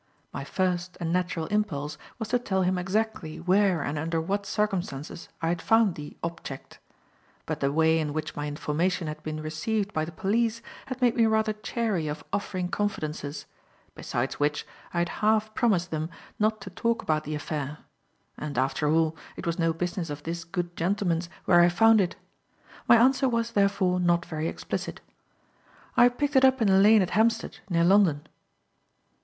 My first, and natural, impulse was to tell him exactly where and under what circumstances I had found the "opchect." But the way in which my information had been received by the police had made me rather chary of offering confidences; besides which, I had half promised them not to talk about the affair. And, after all, it was no business of this good gentleman's where I found it. My answer was, therefore, not very explicit. "I picked it up in a lane at Hampstead, near London."